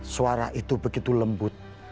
suara itu begitu lembut